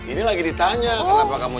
ini lagi ditanya kenapa kamu